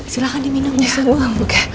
silahkan diminumnya semua